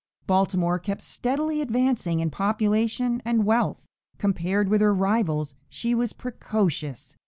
Baltimore kept steadily advancing in population and wealth; compared with her rivals, she was precocious.